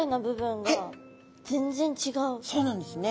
そうなんですね。